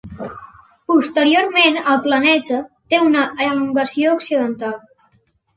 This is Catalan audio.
Posteriorment el planeta té una elongació occidental.